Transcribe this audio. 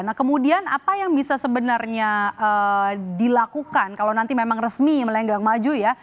nah kemudian apa yang bisa sebenarnya dilakukan kalau nanti memang resmi melenggang maju ya